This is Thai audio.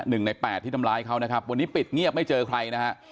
หนึ่งในแปดที่ทำร้ายเขานะครับวันนี้ปิดเงียบไม่เจอใครนะฮะ